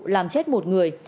làm chết một người